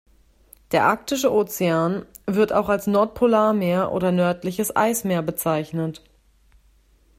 Der Arktische Ozean, wird auch als Nordpolarmeer oder nördliches Eismeer bezeichnet.